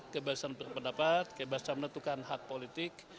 kebiasaan pendapat kebiasaan menentukan hak politik